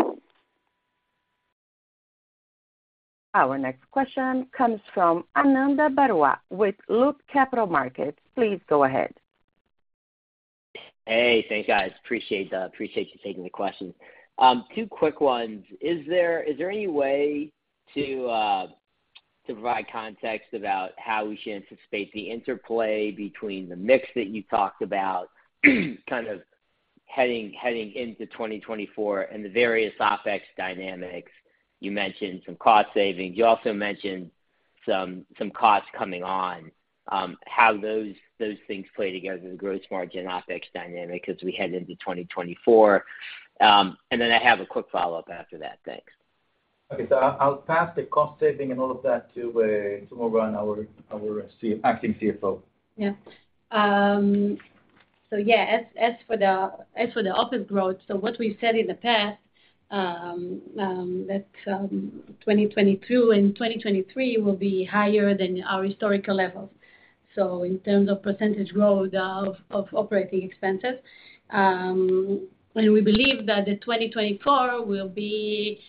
Our next question comes from Ananda Baruah with Loop Capital Markets. Please go ahead. Hey, thanks, guys. Appreciate you taking the questions. Two quick ones: Is there any way to provide context about how we should anticipate the interplay between the mix that you talked about, kind of heading into 2024 and the various OpEx dynamics? You mentioned some cost savings. You also mentioned some costs coming on. How those things play together, the gross margin OpEx dynamic as we head into 2024. Then I have a quick follow-up after that. Thanks. I'll pass the cost saving and all of that to Moran, our Acting CFO. Yeah, as for the OpEx growth, what we said in the past, that 2022 and 2023 will be higher than our historical levels, so in terms of percentage growth of operating expenses. We believe that 2024 will be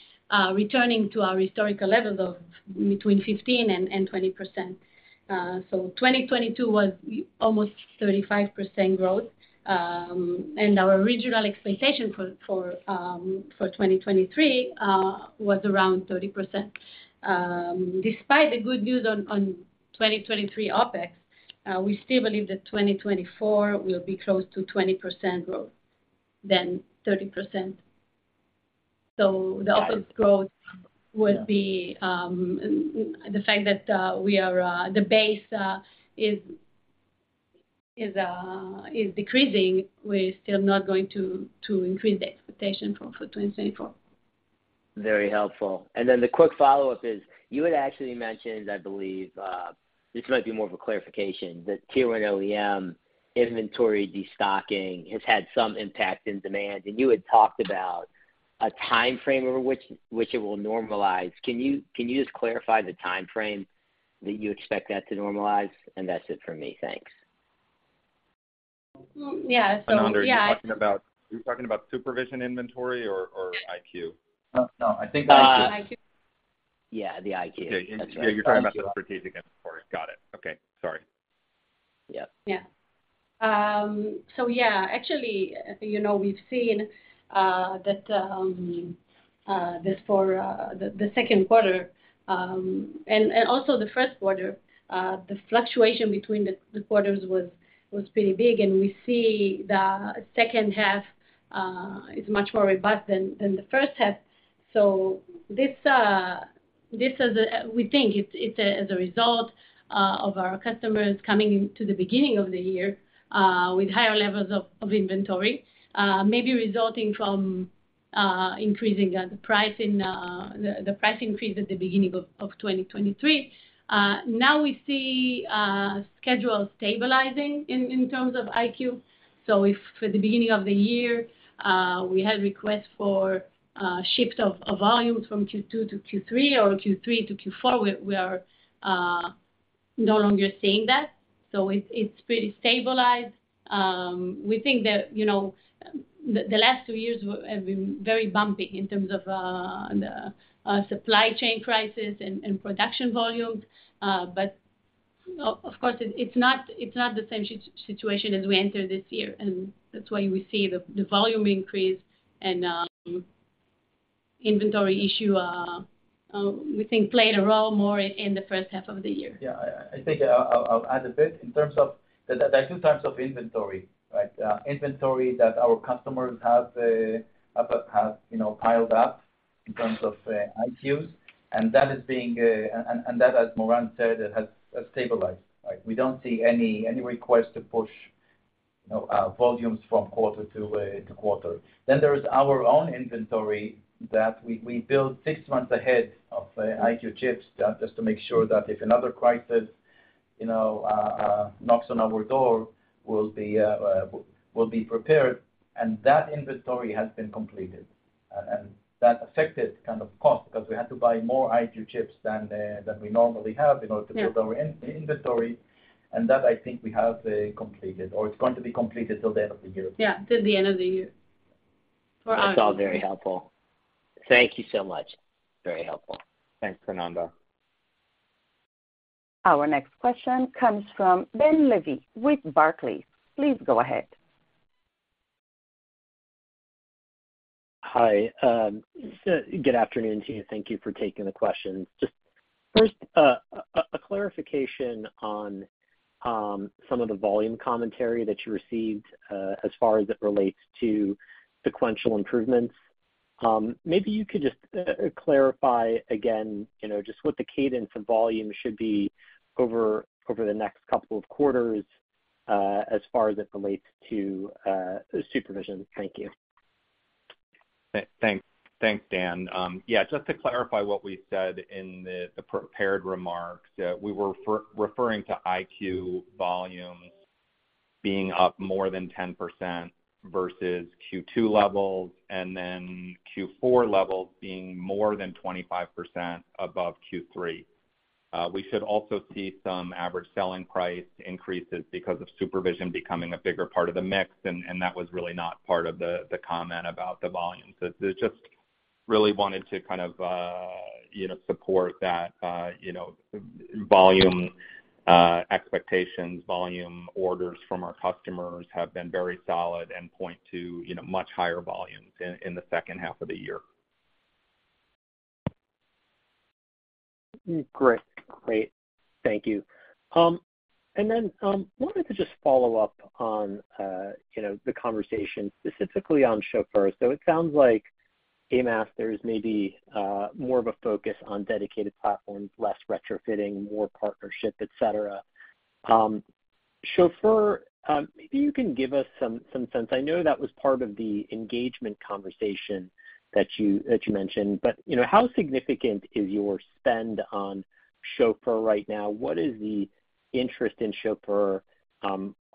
returning to our historical levels of between 15% and 20%. 2022 was almost 35% growth, and our original expectation for 2023 was around 30%. Despite the good news on 2023 OpEx, we still believe that 2024 will be close to 20% growth than 30%. The OpEx growth would be. The fact that we are the base is decreasing, we're still not going to increase the expectation for 2024. Very helpful. Then the quick follow-up is, you had actually mentioned, I believe, this might be more of a clarification, that tier one OEM inventory destocking has had some impact in demand, and you had talked about a time frame over which it will normalize. Can you just clarify the time frame that you expect that to normalize? That's it for me. Thanks. yeah, so yeah, Ananda, are you talking about SuperVision inventory or EyeQ? No, no, I think EyeQ. EyeQ. Yeah, the EyeQ. Okay. That's right. You're talking about the strategic inventory. Got it. Okay, sorry. Yep. Yeah. Actually, you know, we've seen that for the second quarter, and also the first quarter, the fluctuation between the quarters was pretty big, and we see the second half is much more robust than the first half. This is, we think it's a result of our customers coming into the beginning of the year with higher levels of inventory, maybe resulting from increasing the price in the price increase at the beginning of 2023. Now we see schedule stabilizing in terms of EyeQ. If for the beginning of the year, we had requests for shift of volumes from Q2 to Q3 or Q3 to Q4, we are no longer seeing that, so it's pretty stabilized. We think that, you know, the last two years have been very bumpy in terms of the supply chain crisis and production volumes. Of course, it's not the same situation as we entered this year, and that's why we see the volume increase and inventory issue, we think played a role more in the first half of the year. Yeah, I think I'll add a bit. In terms of. There are two types of inventory, right? Inventory that our customers have, you know, piled up in terms of EyeQ chips, and that is being. That, as Moran said, it has stabilized, right? We don't see any request to push volumes from quarter to quarter. There is our own inventory that we build six months ahead of EyeQ chips, just to make sure that if another crisis, you know, knocks on our door, we'll be prepared, and that inventory has been completed. That affected kind of cost because we had to buy more EyeQ chips than we normally have in order. Yeah... to build our inventory, and that I think we have completed, or it's going to be completed till the end of the year. Yeah, till the end of the year. That's all very helpful. Thank you so much. Very helpful. Thanks, Ananda. Our next question comes from Dan Levy with Barclays. Please go ahead. Hi. Good afternoon to you. Thank you for taking the questions. Just first, a clarification on some of the volume commentary that you received as far as it relates to sequential improvements. Maybe you could just clarify again, you know, just what the cadence of volume should be over the next couple of quarters as far as it relates to SuperVision. Thank you. Thanks. Thanks, Dan. Yeah, just to clarify what we said in the prepared remarks, we were referring to EyeQ volumes being up more than 10% versus Q2 levels, and then Q4 levels being more than 25% above Q3. We should also see some average selling price increases because of SuperVision becoming a bigger part of the mix, and that was really not part of the comment about the volumes. Just really wanted to kind of, you know, support that, you know, volume expectations, volume orders from our customers have been very solid and point to, you know, much higher volumes in the second half of the year. Great. Thank you. Wanted to just follow up on, you know, the conversation, specifically on Chauffeur. It sounds like ADAS, there is maybe more of a focus on dedicated platforms, less retrofitting, more partnership, et cetera. Chauffeur, maybe you can give us some sense. I know that was part of the engagement conversation that you mentioned, but, you know, how significant is your spend on Chauffeur right now? What is the interest in Chauffeur?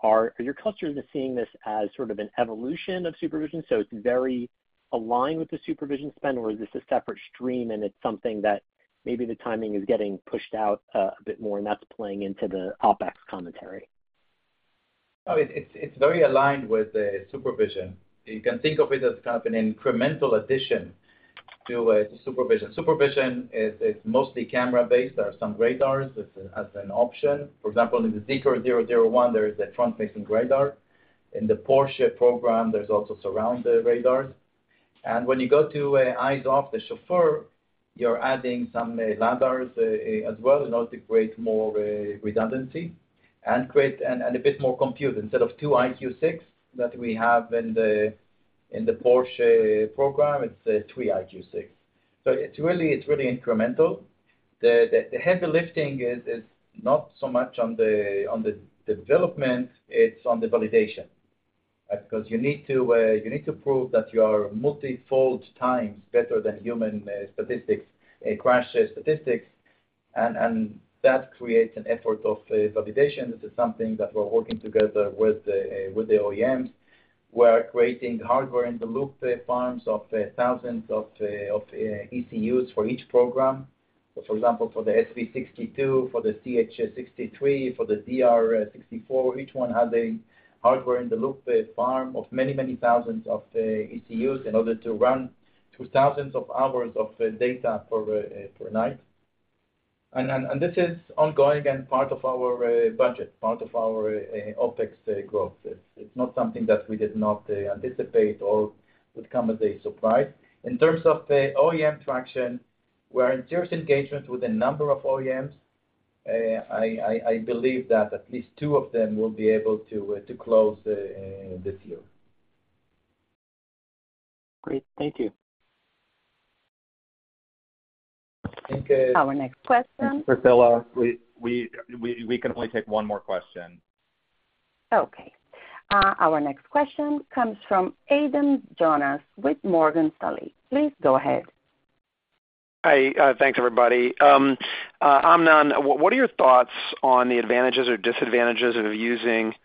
Are your customers seeing this as sort of an evolution of SuperVision, so it's very aligned with the SuperVision spend, or is this a separate stream, and it's something that maybe the timing is getting pushed out a bit more, and that's playing into the OpEx commentary? No, it's very aligned with the SuperVision. You can think of it as kind of an incremental addition to a SuperVision. SuperVision is mostly camera-based. There are some radars as an option. For example, in the Zeekr 001, there is a front-facing radar. In the Porsche program, there's also surround radars. When you go to Eyes-Off the Chauffeur, you're adding some lidars as well, in order to create more redundancy and create a bit more compute. Instead of two EyeQ 6 that we have in the Porsche program, it's three EyeQ 6. It's really incremental. The heavy lifting is not so much on the development, it's on the validation. You need to prove that you are multifold times better than human statistics, crash statistics, and that creates an effort of validation. This is something that we're working together with the OEMs. We're creating Hardware-in-the-Loop farms of thousands of ECUs for each program. For example, for the SV62, for the CH63, for the DR64, each one has a Hardware-in-the-Loop farm of many, many thousands of ECUs in order to run through thousands of hours of data per night. This is ongoing and part of our budget, part of our OpEx growth. It's not something that we did not anticipate or would come as a surprise. In terms of the OEM traction, we're in serious engagement with a number of OEMs. I believe that at least two of them will be able to close this year. Great. Thank you. Thank you. Our next question- Priscilla, we can only take one more question. Okay. our next question comes from Adam Jonas with Morgan Stanley. Please go ahead. Hi, thanks, everybody. Amnon, what are your thoughts on the advantages or disadvantages of using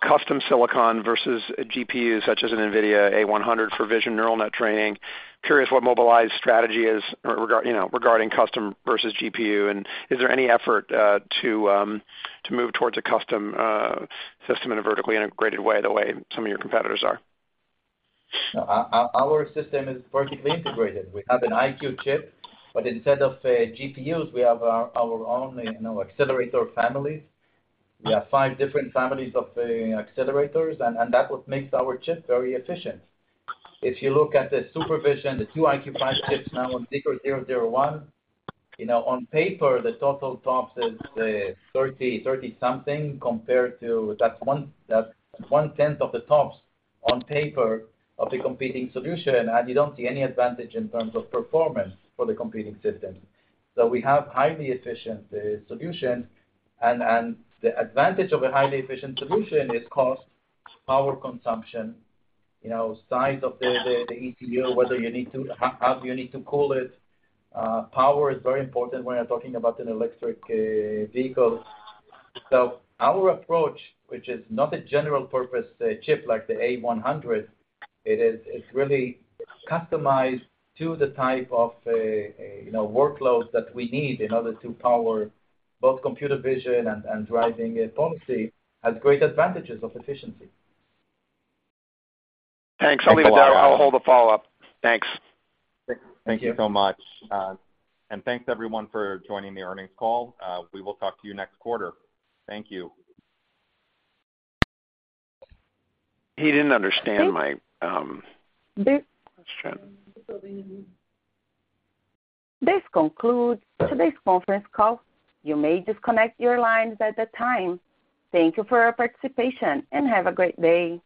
custom silicon versus a GPU, such as an NVIDIA A100 for vision neural net training? Curious what Mobileye's strategy is, you know, regarding custom versus GPU, and is there any effort to move towards a custom system in a vertically integrated way, the way some of your competitors are? Our system is vertically integrated. We have an EyeQ chip, but instead of GPUs, we have our own, you know, accelerator families. We have five different families of accelerators, and that what makes our chip very efficient. If you look at the SuperVision, the two EyeQ 5 chips now on Zeekr 001, you know, on paper, the total TOPS is 30 something compared to that's one tenth of the TOPS on paper of the competing solution, and you don't see any advantage in terms of performance for the competing system. So we have highly efficient solution, and the advantage of a highly efficient solution is cost, power consumption, you know, size of the ECU, whether you need to cool it. Power is very important when you're talking about an electric vehicle. Our approach, which is not a general purpose chip like the A100, it's really customized to the type of, you know, workloads that we need in order to power both computer vision and Driving Policy, has great advantages of efficiency. Thanks. I'll leave it there. I'll hold a follow-up. Thanks. Thank you. Thank you so much. Thanks, everyone, for joining the earnings call. We will talk to you next quarter. Thank you. He didn't understand my question. This concludes today's conference call. You may disconnect your lines at the time. Thank you for your participation, and have a great day.